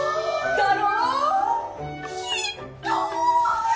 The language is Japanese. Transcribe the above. だろ！